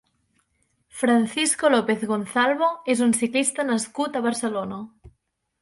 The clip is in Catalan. Francisco López Gonzalvo és un ciclista nascut a Barcelona.